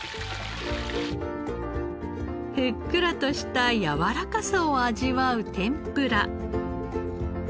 ふっくらとしたやわらかさを味わう天ぷら。